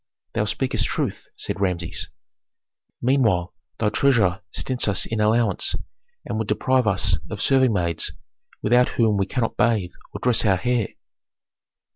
"Thou speakest truth," said Rameses. "Meanwhile thy treasurer stints us in allowance, and would deprive us of serving maids, without whom we cannot bathe or dress our hair."